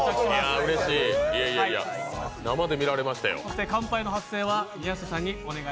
うれしい、生で見られましたよ。